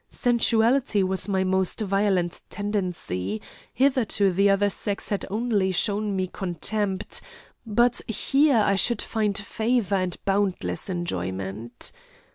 Sensuality was my most violent tendency; hitherto the other sex had only shown me contempt, but here I should find favour and boundless enjoyment.